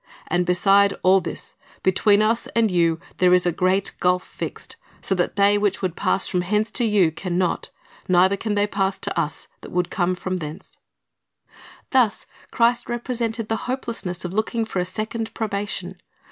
And beside all this, between us and you there is a great gulf fixed; so that they which would pass from hence to you can not; neither can they pass to us, that would come from thence." Thus Christ represented the hopelessness of looking for a second probation.